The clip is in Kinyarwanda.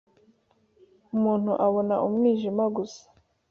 umuntu abona umwijima gusa